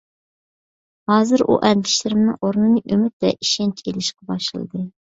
ھازىر ئۇ ئەندىشىلىرىمنىڭ ئورنىنى ئۈمىد ۋە ئىشەنچ ئېلىشقا باشلىدى.